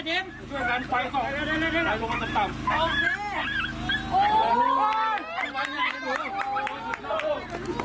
เท่นไปได้